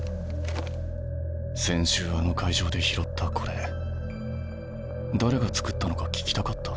先週あの会場で拾ったこれ誰が作ったのか聞きたかった。